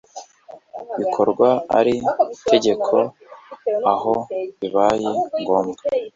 bikorwa iri tegeko aho bibaye ngombwa